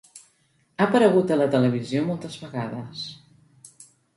Ha aparegut a la televisió moltes vegades.